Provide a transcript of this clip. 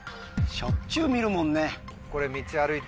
しょっちゅう見るもんね。